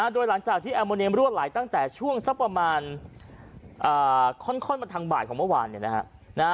โดยหลังจากที่แอร์โมเนียมรั่วไหลตั้งแต่ช่วงสักประมาณค่อนมาทางบ่ายของเมื่อวาน